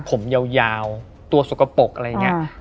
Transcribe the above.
ผมยาวตัวสกปรกอะไรอย่างนี้